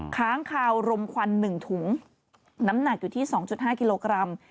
ค้างคาวรมควัน๑ถุงน้ำหนักอยู่ที่๒๕กิโลกรัม